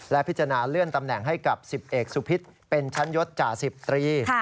และพิจารณาเลื่อนตำแหน่งให้กับ๑๐เอกสุพิษเป็นชั้นยศจ่าสิบตรี